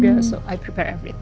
jadi saya siapkan segalanya